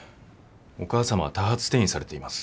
お母さまは多発転移されています。